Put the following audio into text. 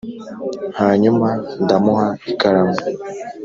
hanyuma ndamuha ikaramu